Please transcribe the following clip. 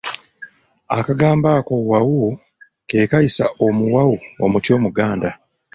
Akagambo ako wawu ke kayisa omuwawu omuti omuganda.